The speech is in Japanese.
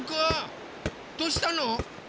どうしたの？